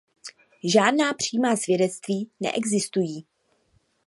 Žádná přímá svědectví neexistují.